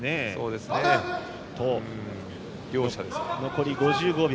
残り５５秒。